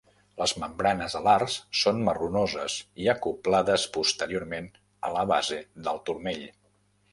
Les membranes alars són marronoses i acoblades posteriorment a la base del turmell.